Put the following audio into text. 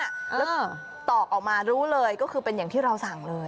แล้วตอกออกมารู้เลยก็คือเป็นอย่างที่เราสั่งเลย